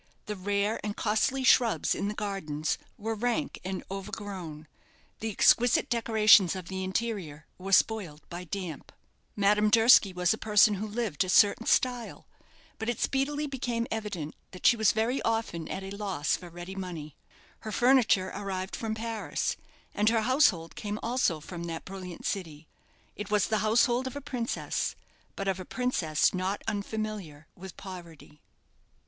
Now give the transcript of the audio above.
The rare and costly shrubs in the gardens were rank and overgrown; the exquisite decorations of the interior were spoiled by damp. Madame Durski was a person who lived in a certain style; but it speedily became evident that she was very often at a loss for ready money. Her furniture arrived from Paris, and her household came also from that brilliant city. It was the household of a princess; but of a princess not unfamiliar with poverty.